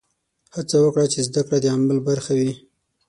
هڅه وکړه چې زده کړه د عمل برخه وي.